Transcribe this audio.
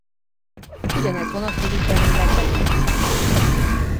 Ugyanez vonatkozik jelenleg Lengyelországra is.